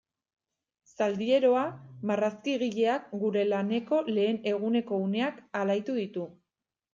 Zaldieroa marrazkigileak gure laneko lehen eguneko uneak alaitu ditu.